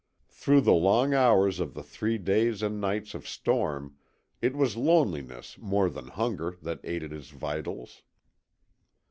Through the long hours of the three days and nights of storm it was loneliness more than hunger that ate at his vitals.